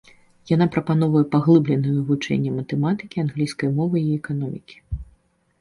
Яна прапаноўвае паглыбленае вывучэнне матэматыкі, англійскай мовы і эканомікі.